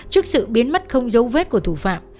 trước sự biến mất không dấu vết của thủ phạm